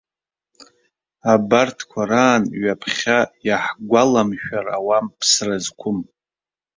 Абарҭқәа раан ҩаԥхьа иаҳгәаламшәар ауам ԥсра зқәым.